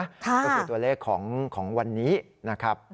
ก็คือตัวเลขของวันนี้นะครับ